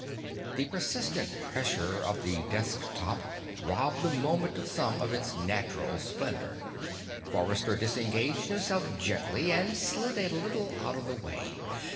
The insistent pressure of the desk top robbed the moment of some of its natural splendor. Forrester disengaged himself gently and slid a little out of the way.